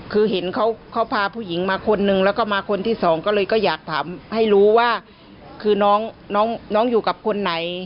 คือเห็นเขาพาผู้หญิงมาคนนึงแล้วก็มาคนที่สองก็เลยก็อยากถามให้รู้ว่าคือน้องน้องอยู่กับคนไหน